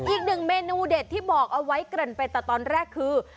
อีกหนึ่งเมนูเด็ดที่บอกเอาไว้เกริ่นไปแต่ตอนแรกคือ